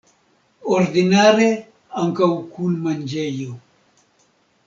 Ordinare ankaŭ kun manĝejo.